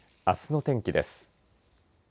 あすの天気です。